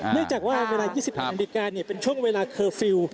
เนื่องจากว่าเวลา๒๑นาฬิกาเป็นช่วงเวลาเคอร์ฟิลล์